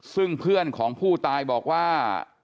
ซึ่งเพื่อนของผู้ตายบอกว่า